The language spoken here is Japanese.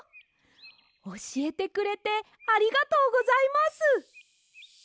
おしえてくれてありがとうございます！